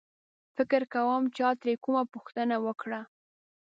فکر کوم چا ترې کومه پوښتنه وکړه.